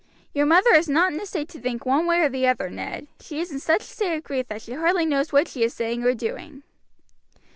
"Your mother is not in a state to think one way or the other, Ned; she is in such a state of grief that she hardly knows what she is saying or doing."